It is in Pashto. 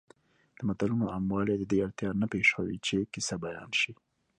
د متلونو عاموالی د دې اړتیا نه پېښوي چې کیسه بیان شي